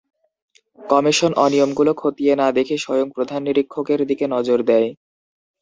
Commission অনিয়মগুলো খতিয়ে না দেখে স্বয়ং প্রধান নিরীক্ষকের দিকে নজর দেয়।